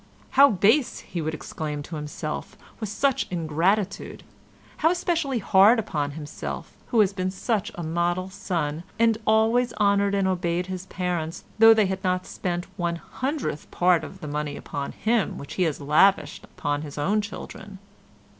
How base, he would exclaim to himself, was such ingratitude! How especially hard upon himself, who had been such a model son, and always honoured and obeyed his parents though they had not spent one hundredth part of the money upon him which he had lavished upon his own children.